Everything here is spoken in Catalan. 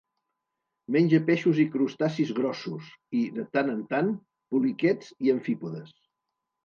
Menja peixos i crustacis grossos, i, de tant en tant, poliquets i amfípodes.